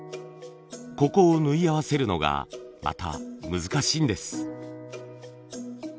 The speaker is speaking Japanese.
ここを縫い合わせるのがまた難しいんです。